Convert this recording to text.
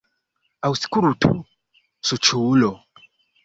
Aŭskultu, suĉulo!